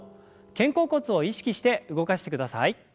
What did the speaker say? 肩甲骨を意識して動かしてください。